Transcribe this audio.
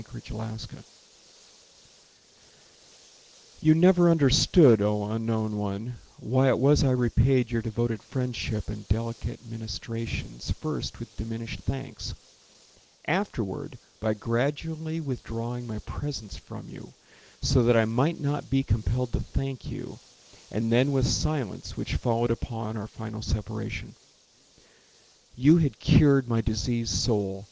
Harlan Sewall You never understood, O unknown one, Why it was I repaid Your devoted friendship and delicate ministrations First with diminished thanks, Afterward by gradually withdrawing my presence from you, So that I might not be compelled to thank you, And then with silence which followed upon Our final Separation. You had cured my diseased soul.